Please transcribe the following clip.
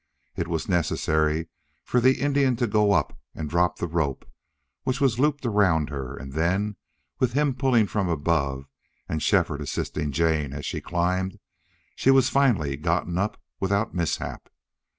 It was necessary for the Indian to go up and drop the rope, which was looped around her, and then, with him pulling from above and Shefford assisting Jane as she climbed, she was finally gotten up without mishap.